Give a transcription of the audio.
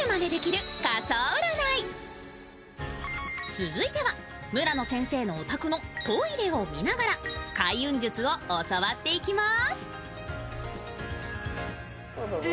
続いては村野先生のお宅のトイレを見ながら開運術を教わっていきます。